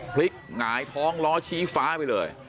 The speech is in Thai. หงายท้องล้อชี้ฟ้าไปเลย